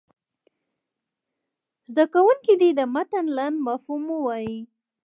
زده کوونکي دې د متن لنډ مفهوم ووایي.